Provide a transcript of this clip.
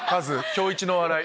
今日イチの笑い。